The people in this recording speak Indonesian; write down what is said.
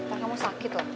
ntar kamu sakit loh